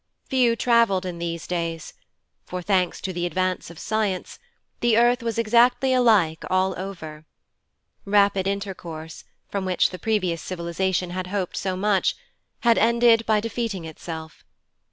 Few travelled in these days, for, thanks to the advance of science, the earth was exactly alike all over. Rapid intercourse, from which the previous civilization had hoped so much, had ended by defeating itself.